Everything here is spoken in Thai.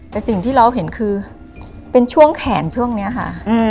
แต่สิ่งที่เราเห็นคือเป็นช่วงแขนช่วงนี้ค่ะ